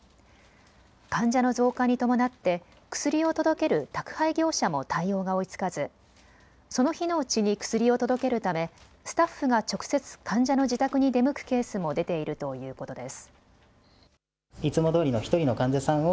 患者の増加に伴って薬を届ける宅配業者も対応が追いつかずその日のうちに薬を届けるためスタッフが直接患者の自宅に出向くケースも出ているということです。